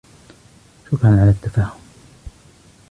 شكراً على التَفَهُّم